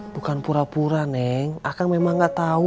bukan pura pura neng akang memang gak tau